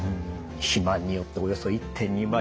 肥満によっておよそ１．２倍。